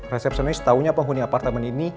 resepsi ini setahunya penghuni apartemen ini